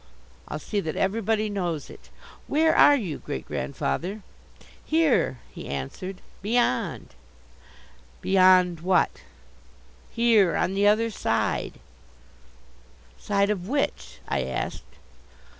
I'll see that everybody knows it. Where are you, great grandfather?" "Here," he answered, "beyond." "Beyond what?" "Here on the other side." "Side of which?" I asked.